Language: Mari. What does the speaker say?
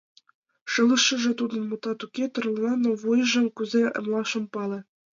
Шылыжше тудын, мутат уке, тӧрлана, но вуйжым кузе эмлаш — ом пале.